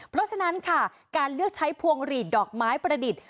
เพราะฉะนั้นค่ะการเลือกใช้พวงหลีดดอกไม้ประดิษฐ์